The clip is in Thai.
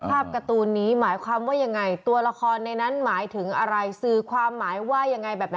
การ์ตูนนี้หมายความว่ายังไงตัวละครในนั้นหมายถึงอะไรสื่อความหมายว่ายังไงแบบไหน